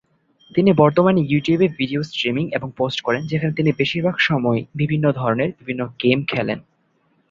তিনি বর্তমানে ইউটিউবে ভিডিও স্ট্রিম এবং পোস্ট করেন, যেখানে তিনি বেশিরভাগ সময়ে বিভিন্ন ধরনের বিভিন্ন গেম খেলেন।